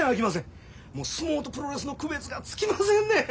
もう相撲とプロレスの区別がつきませんねん。